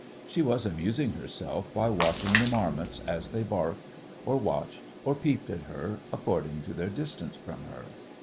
She was amusing herself by watching the marmots as they barked, or watched, or peeped at her, according to their distance from her.